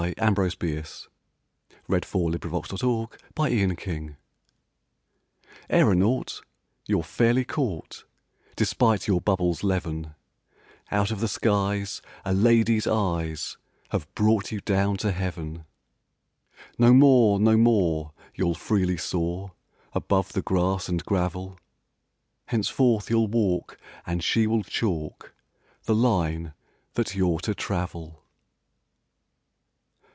Ambrose Bierce On the Wedding of the Aeronaut AERONAUT, you're fairly caught, Despite your bubble's leaven: Out of the skies a lady's eyes Have brought you down to Heaven! No more, no more you'll freely soar Above the grass and gravel: Henceforth you'll walk and she will chalk The line that you're to travel!